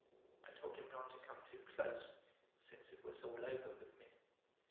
I told him not to come too close, since it was all over with me.